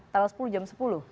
tanggal sepuluh jam sepuluh